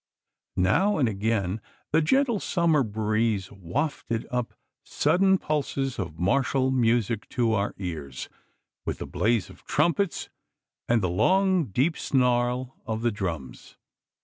Now and again the gentle summer breeze wafted up sudden pulses of martial music to our ears, with the blare of trumpets and the long deep snarl of the drums.